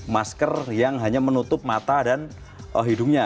masker yang hanya menutup mata dan hidungnya